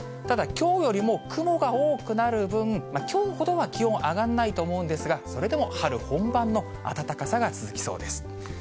ただ、きょうよりも雲が多くなる分、きょうほどは気温、上がんないと思うんですが、それでも春本番の暖かさが続きそうです。